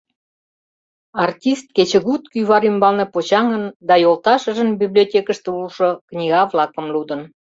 Артист кечыгут кӱвар ӱмбалне почаҥын да йолташыжын библиотекыштыже улшо книга-влакым лудын.